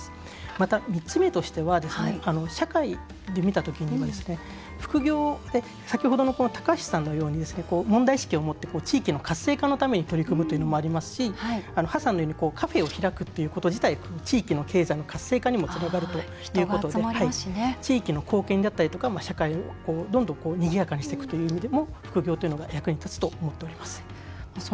また、３つ目としては社会で見た時に、副業は先ほどの高橋さんのように問題意識を持って地域の活性化に取り組むというのもありますし河さんのようにカフェを開くということ自体が地域の活性化にもつながるということで貢献や、社会をにぎやかにしていく意味でも副業が役立つと思っています。